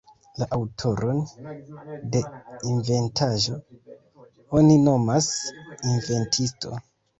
La aŭtoron de inventaĵo oni nomas inventisto.